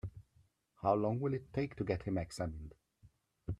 How long will it take to get him examined?